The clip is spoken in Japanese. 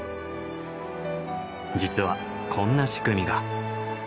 実はこんな仕組みが。